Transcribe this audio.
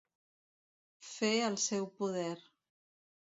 Fer el seu poder.